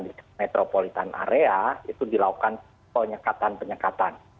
di metropolitan area itu dilakukan penyekatan penyekatan